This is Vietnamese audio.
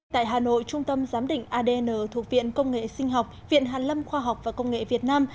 tại hà nội trung tâm giám định adn thuộc viện công nghệ sinh học viện hàn lâm khoa học và công nghệ việt nam